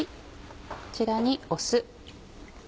こちらに酢。